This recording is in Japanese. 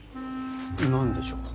何でしょう。